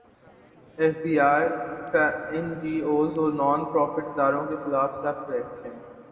F B رکا N G Os اور non profit اداروں کیخلاف سخت ایکشن